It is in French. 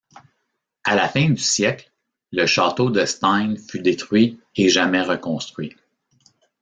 À la fin du siècle le château de Stein fut détruit et jamais reconstruit.